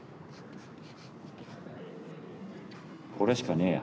これしかねえや。